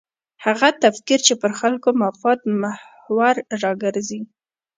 هغه تفکر چې پر خلکو مفاد محور راګرځي.